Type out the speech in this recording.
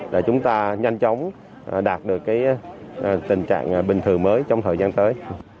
để chúng ta nhanh chóng đạt được tình trạng bình thường mới trong thời gian tới